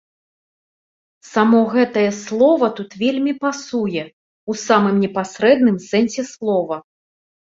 Само гэтае слова тут вельмі пасуе ў самым непасрэдным сэнсе слова.